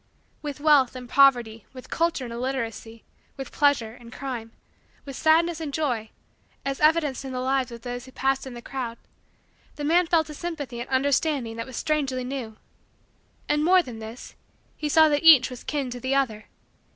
With wealth and poverty, with culture and illiteracy, with pleasure and crime, with sadness and joy, as evidenced in the lives of those who passed in the crowd, the man felt a sympathy and understanding that was strangely new. And, more than this, he saw that each was kin to the other.